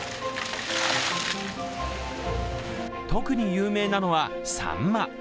特に有名なのは、さんま。